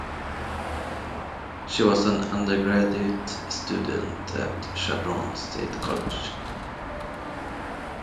She was an undergraduate student at Chadron State College.